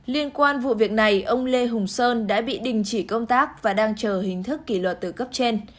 liên quan vụ việc này ông lê hùng sơn đã bị đình chỉ công tác và đang chờ hình thức kỷ luật từ cấp trên